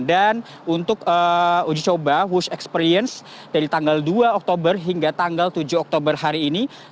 dan untuk uji coba wush experience dari tanggal dua oktober hingga tanggal tujuh oktober hari ini